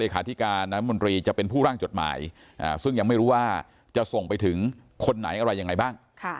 ขาธิการน้ำมนตรีจะเป็นผู้ร่างจดหมายซึ่งยังไม่รู้ว่าจะส่งไปถึงคนไหนอะไรยังไงบ้าง